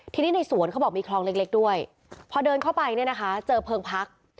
ทีนี้ในสวนเขาบอกมีคลองเล็กด้วยพอเดินเข้าไปเนี่ยนะคะเจอเพลิงพัก